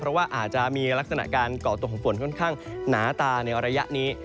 เพราะว่าอาจจะมีลักษณะการก่อตัวของฝนค่อนข้างหนาตาในระยะนี้